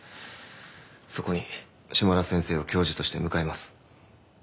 そこに下田先生を教授として迎えます。